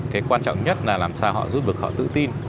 cái quan trọng nhất là làm sao họ giúp được họ tự tin